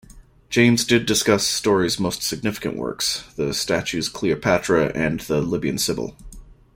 James did discuss Story's most significant works, the statues "Cleopatra" and the "Libyan Sybil".